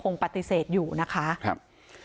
ปฏิเสธอยู่นะคะครับ